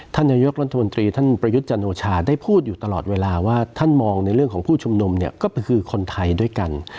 ท่านนายกรัฐมนตรีท่านประยุทธ์จันโอชาได้พูดอยู่ตลอดเวลาว่าท่านมองในเรื่องของผู้ชุมนุมเนี่ยก็คือคนไทยด้วยกัน